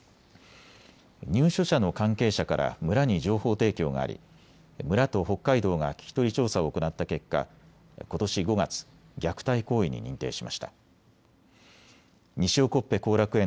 入所者の関係者から村に情報提供があり村と北海道が聞き取り調査を行った結果、ことし５月、虐待行為に認定しました。